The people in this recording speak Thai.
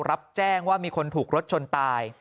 รับแจ้งว่ามีคนถูกรถชนตาย